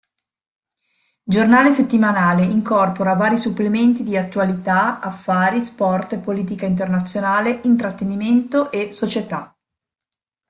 Giornale settimanale, incorpora vari supplementi di attualità, affari, sport, politica internazionale, intrattenimento, e società.